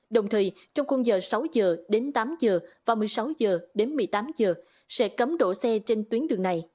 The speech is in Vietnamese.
đồng thời trong khung giờ sáu giờ đến tám giờ và một mươi sáu h đến một mươi tám giờ sẽ cấm đổ xe trên tuyến đường này